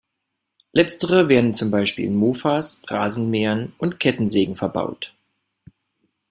Letztere werden zum Beispiel in Mofas, Rasenmähern und Kettensägen verbaut.